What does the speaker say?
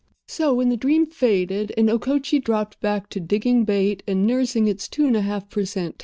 So, when the dream faded and Okochee dropped back to digging bait and nursing its two and a half per cent.